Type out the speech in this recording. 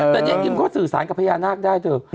แต่เนี่ยกิมเขาสื่อสารกับพญานาคได้เถอะ